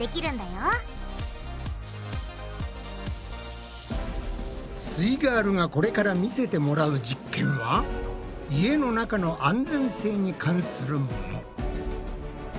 よすイガールがこれから見せてもらう実験は家の中の安全性に関するもの。